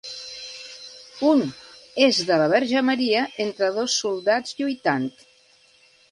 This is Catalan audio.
Un és de la Verge Maria entre dos soldats lluitant.